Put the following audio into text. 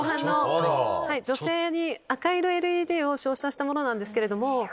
赤色ＬＥＤを照射したものなんですけど。